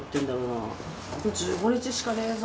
「あと１５日しかねえぞ！」